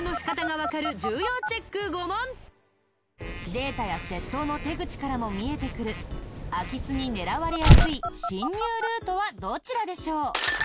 データや窃盗の手口からも見えてくる空き巣に狙われやすい侵入ルートはどちらでしょう？